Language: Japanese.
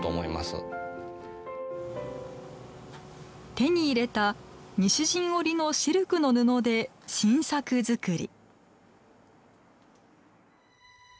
手に入れた西陣織のシルクの布で新作作り。